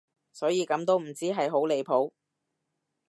所以咁都唔知係好離譜